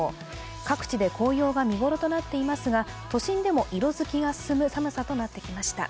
各地で紅葉が見頃となっていますが、都心でも色づきが進む寒さとなってきました。